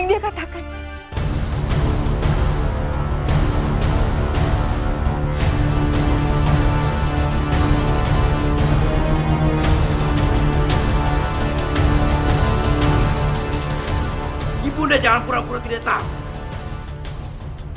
ibu udah jangan pura pura tidak tahu